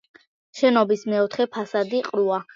შენობის მეოთხე ფასადი ყრუა.